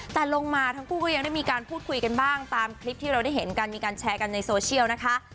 แต่ลงมาทั้งคู่ก็ยังได้มีการพูดคุยกันบ้างตามคลิปที่เราได้เห็นกันมีการแชร์กันในโซเชียลนะคะ